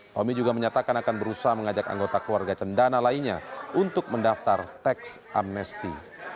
tommy juga menyatakan akan berusaha mengajak anggota keluarga cendana lainnya untuk mendaftar teks amnesti